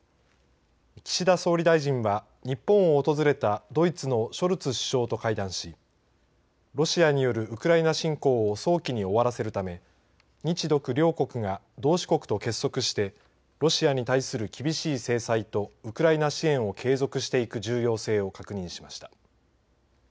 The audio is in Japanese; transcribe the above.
岸田総理大臣は日本を訪れたドイツのショルツ首相と会談しロシアによるウクライナ侵攻を早期に終わらせるため日独両国が同志国と結束してロシアに対する厳しい制裁とウクライナ支援を継続していく重要性を確認しました。